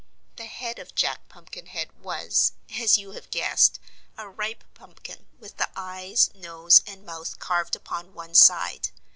The head of Jack Pumpkinhead was, as you have guessed, a ripe pumpkin, with the eyes, nose and mouth carved upon one side.